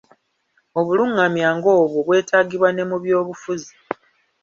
Obulungamya ng'obwo bwetaagibwa ne mu byobufuzi.